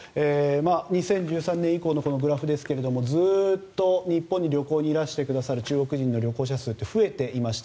２０１３年以降のグラフですがずっと日本に旅行にいらしてくださる中国人の旅行者数は増えていました。